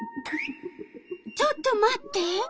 ちょっと待って。